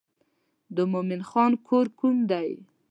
د مومن خان کور کوم دی.